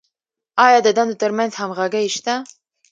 آیا د دندو تر منځ همغږي شته؟